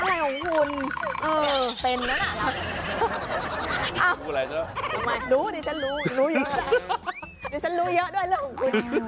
อะไรของคุณเออเป็นแล้วน่ะแล้วอ้าวดูดิฉันรู้เดี๋ยวฉันรู้เยอะด้วยเรื่องของคุณ